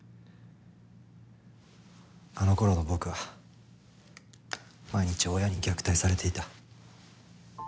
あの頃の僕は毎日親に虐待されていた。